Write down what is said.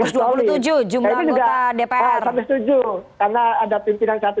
ya saya sampai setuju karena ada pimpinan satu